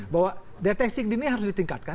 bahwa deteksi dini harus ditingkatkan